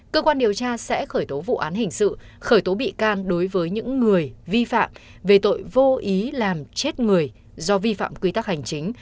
cơ quan điều tra sẽ khởi tố vụ án hình sự khởi tố bị can đối với những người vi phạm về tội vô ý làm chết người do vi phạm quy tắc hành chính